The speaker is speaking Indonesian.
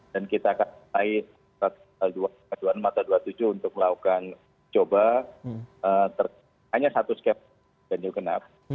dan kita akan mulai pada dua puluh dua dua puluh tujuh untuk melakukan coba hanya satu skema ganjil genap